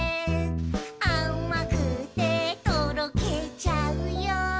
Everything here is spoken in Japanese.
「あまくてとろけちゃうよ」